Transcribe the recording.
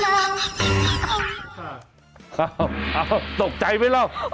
เฮ่าตกใจไหมล่ะ